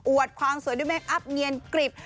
อวดความสวยด้วยแมคอัพเงียนกริบ